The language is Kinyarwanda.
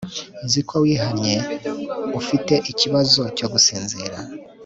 nzi ko wihannye, ufite ikibazo cyo gusinzira